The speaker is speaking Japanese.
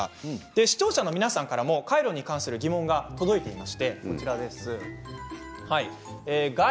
視聴者の皆さんからもカイロに関する疑問が届いています。